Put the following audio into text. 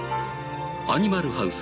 アニマルハウス